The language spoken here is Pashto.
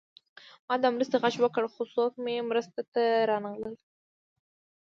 ما د مرستې غږ وکړ خو څوک مې مرستې ته رانغلل